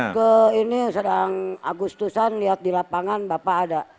ke ini sedang agustusan lihat di lapangan bapak ada